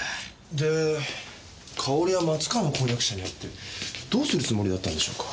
でかおりは松川の婚約者に会ってどうするつもりだったんでしょう。